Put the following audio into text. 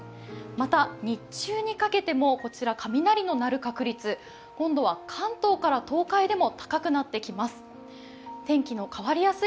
また、日中にかけても雷の鳴る確率今度は関東から東海でも高くなってきます。